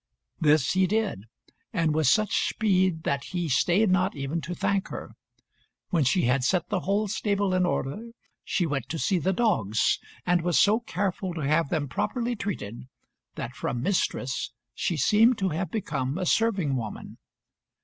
This he did, and with such speed that he stayed not even to thank her. When she had set the whole stable in order, she went to see the dogs, and was so careful to have them properly treated, that from mistress she seemed to have become a serving woman.